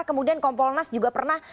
kemudian kompolnas juga pernah